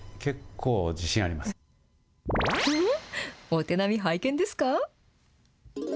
お手並み拝見ですか？